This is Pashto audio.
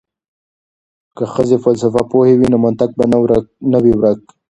که ښځې فلسفه پوهې وي نو منطق به نه وي ورک.